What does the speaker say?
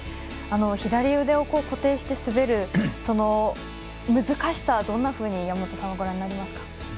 左腕を固定して滑るその難しさはどんなふうに山本さんはご覧になりますか？